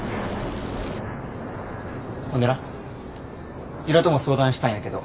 ほんでな由良とも相談したんやけど。